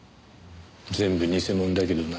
全部偽もんだけどな。